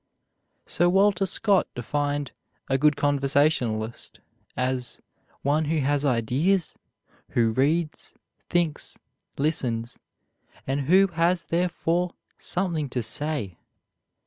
Sir Walter Scott defined "a good conversationalist" as "one who has ideas, who reads, thinks, listens, and who has therefore something to say."